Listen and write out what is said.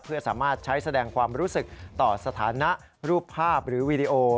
เพื่อสามารถใช้แสดงความรู้สึกต่อสถานะรูปภาพหรือวีดีโอ